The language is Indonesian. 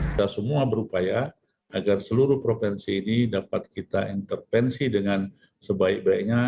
kita semua berupaya agar seluruh provinsi ini dapat kita intervensi dengan sebaik baiknya